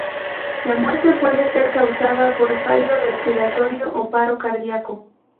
La muerte puede ser causada por fallo respiratorio o paro cardiaco.